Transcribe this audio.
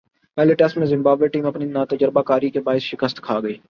پہلے ٹیسٹ میں Zimbabwe team اپنی ناتجربہ کاری کے باعث شکست کھاگئی ۔